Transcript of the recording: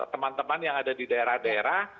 teman teman yang ada di daerah daerah